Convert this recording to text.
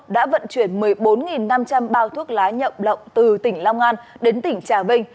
đã vận chuyển một mươi bốn năm trăm linh bao thuốc lá nhậm lộng từ tỉnh long an đến tỉnh trà vinh